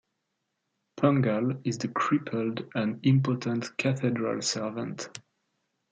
Pangall is the crippled and impotent cathedral servant.